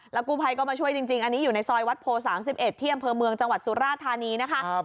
กู้ภัยก็มาช่วยจริงอันนี้อยู่ในซอยวัดโพ๓๑ที่อำเภอเมืองจังหวัดสุราธานีนะคะ